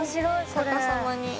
逆さまに。